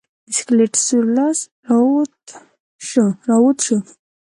د سکلیټ سور لاس راوت شو.